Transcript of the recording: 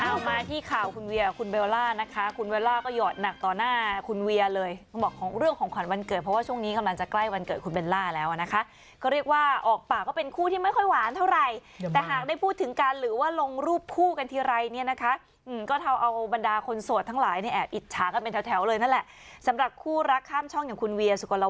เอามาที่ข่าวคุณเวียคุณเบลล่านะคะคุณเวลล่าก็หยอดหนักต่อหน้าคุณเวียเลยบอกของเรื่องของขวัญวันเกิดเพราะว่าช่วงนี้กำลังจะใกล้วันเกิดคุณเบลล่าแล้วนะคะก็เรียกว่าออกปาก็เป็นคู่ที่ไม่ค่อยหวานเท่าไหร่แต่หากได้พูดถึงกันหรือว่าลงรูปคู่กันทีไรเนี้ยนะคะอืมก็เท่าเอาบรรดาคนสดทั้งหลายเ